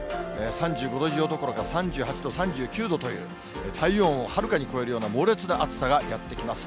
３５度以上どころか３８度、３９度という、体温をはるかに超えるような猛烈な暑さがやって来ます。